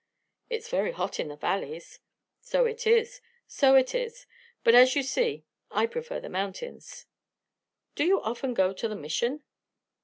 "It's very hot in the valleys." "So it is. So it is. But as you see, I prefer the mountains." "Do you often go to the Mission?"